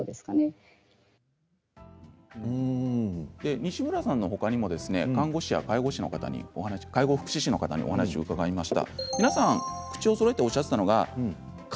西村さんのほかにも看護師や介護福祉士の方にも同じことを伺いました。